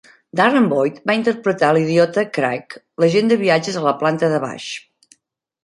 Darren Boyd va interpretar a l'idiota Craig, l'agent de viatges a la planta de baix.